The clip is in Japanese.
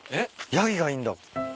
ヤギがいんだ。